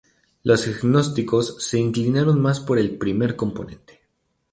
Los gnósticos se inclinaron más por el primer componente.